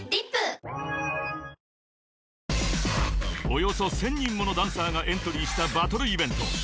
［およそ１，０００人ものダンサーがエントリーしたバトルイベント］